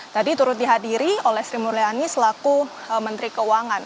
tadi turut dihadiri oleh sri mulyani selaku menteri keuangan